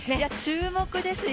注目ですよ